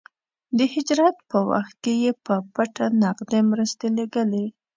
د هجرت په وخت کې يې په پټه نغدې مرستې لېږلې.